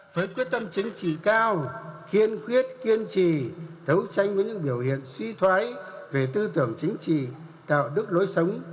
với quyết tâm chính trị cao kiên quyết kiên trì đấu tranh với những biểu hiện suy thoái về tư tưởng chính trị đạo đức lối sống